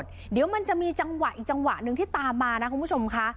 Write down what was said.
เดี๋ยวมันจะมีจังหวะอีกจังหวะหนึ่งที่ตามมานะคุณผู้ชมค่ะ